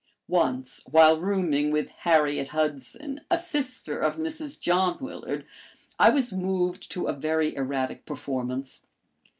Once while rooming with Harriet Hudson, a sister of Mrs. John Willard, I was moved to a very erratic performance.